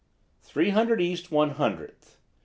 "Three Hundred East One Hundredth.